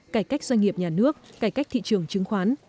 cải cách doanh nghiệp nhà nước cải cách thị trường chứng khoán